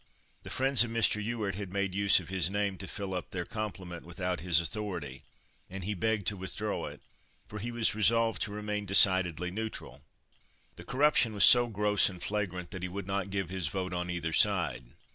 The friends of Mr. Ewart had made use of his name to fill up their complement without his authority, and he begged to withdraw it, for he was resolved to remain decidedly neutral. The corruption was so gross and flagrant that he would not give his vote on either side."